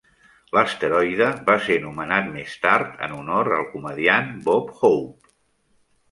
L'asteroide va ser nomenat més tard en honor al comediant Bob Hope.